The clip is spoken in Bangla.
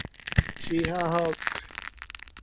তোর বাপও যদি জানতে চায়, তবুও বলব না।